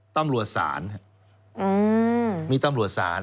ตำรวจศาลมีตำรวจศาล